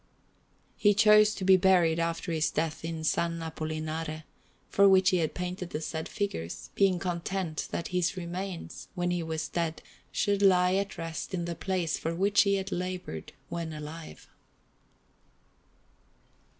He chose to be buried after his death in S. Apollinare, for which he had painted the said figures, being content that his remains, when he was dead, should lie at rest in the place for which he had laboured when alive.